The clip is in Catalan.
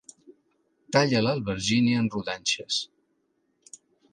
Talla l'albergínia en rodanxes.